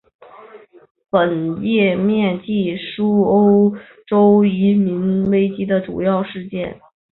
本页面记叙欧洲移民危机的主要事件。